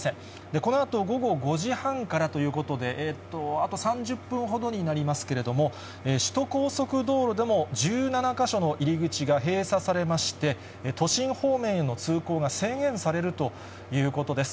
このあと午後５時半からということで、あと３０分ほどになりますけれども、首都高速道路でも１７か所の入り口が閉鎖されまして、都心方面への通行が制限されるということです。